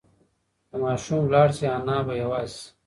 که ماشوم لاړ شي انا به یوازې شي.